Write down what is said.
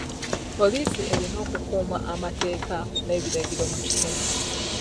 Poliisi erina okukuuma amateeka n'ebiragiro mu kitundu.